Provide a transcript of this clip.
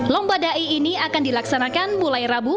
lomba da'i ini akan dilaksanakan di kepolisian nasional